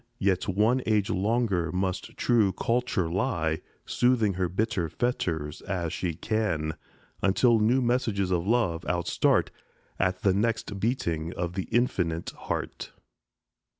Yet one age longer must true Culture lie, Soothing her bitter fetters as she can, Until new messages of love outstart At the next beating of the infinite Heart.